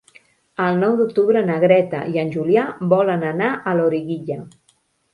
El nou d'octubre na Greta i en Julià volen anar a Loriguilla.